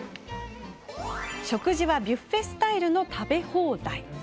食事はビュッフェスタイルの食べ放題。